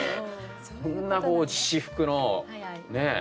こんなこう私服のねえ。